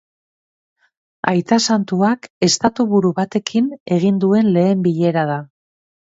Aita santuak estatuburu batekin egin duen lehen bilera da.